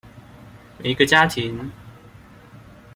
每一個家庭